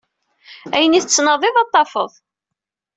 Ayen ay tettnadiḍ ad t-tafeḍ.